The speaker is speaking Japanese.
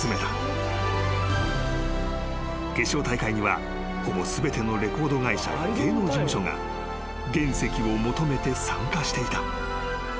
［決勝大会にはほぼ全てのレコード会社や芸能事務所が原石を求めて参加していた］